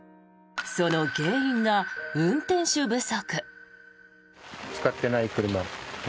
その原因が運転手不足。